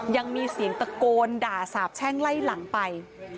ยังมีเสียงตะโกนด่าสาบแช่งไล่หลังไป